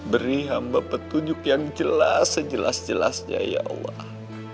beri hamba petunjuk yang jelas sejelas jelasnya ya allah